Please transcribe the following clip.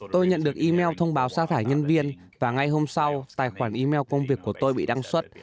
tôi nhận được email thông báo xa thải nhân viên và ngay hôm sau tài khoản email công việc của tôi bị đăng xuất